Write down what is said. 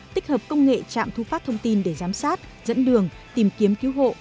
tích hợp công nghệ trạm thu phát thông tin để giám sát dẫn đường tìm kiếm cứu hộ